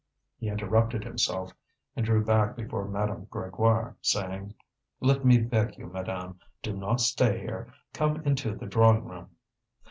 He interrupted himself, and drew back before Madame Grégoire, saying: "Let me beg you, madame, do not stay here, come into the drawing room."